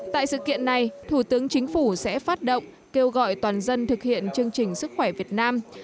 tại sự kiện này thủ tướng chính phủ sẽ phát động kêu gọi toàn dân thực hiện chương trình sức khỏe việt nam